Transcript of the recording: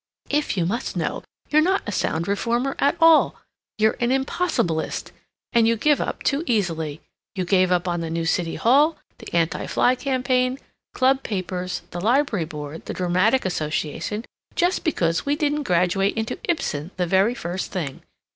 "If you must know, you're not a sound reformer at all. You're an impossibilist. And you give up too easily. You gave up on the new city hall, the anti fly campaign, club papers, the library board, the dramatic association just because we didn't graduate into Ibsen the very first thing.